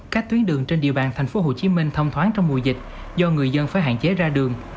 các tuyến đường trên địa bàn tp hcm thông thoáng trong mùa dịch do người dân phải hạn chế ra đường